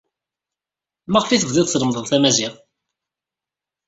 Maɣef ay tebdid tlemmded tamaziɣt?